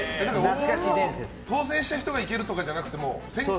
当選した人が行けるとかじゃなくて先行？